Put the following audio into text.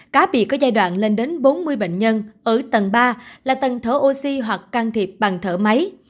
cá biệt có giai đoạn lên đến bốn mươi bệnh nhân ở tầng ba là tầng thở oxy hoặc can thiệp bằng thở máy